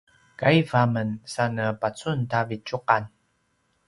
kaiv a men sa ne pacun ta vitjuqan